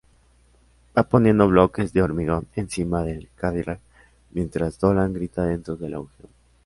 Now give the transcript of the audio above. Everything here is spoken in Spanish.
Va poniendo bloques de hormigón encima del Cadillac, mientras Dolan grita dentro del agujero.